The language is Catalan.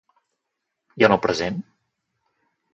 I en el present?